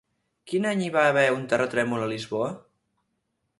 Quin any hi va haver un terratrèmol a Lisboa?